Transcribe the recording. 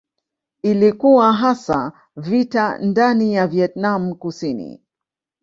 Ilikuwa hasa vita ndani ya Vietnam Kusini.